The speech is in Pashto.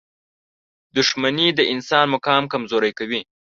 • دښمني د انسان مقام کمزوری کوي.